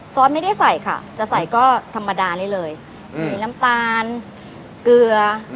ซอสไม่ได้ใส่ค่ะจะใส่ก็ธรรมดานี้เลยมีน้ำตาลเกลือ